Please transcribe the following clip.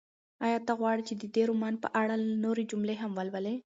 ایا ته غواړې چې د دې رومان په اړه نورې جملې هم ولولې؟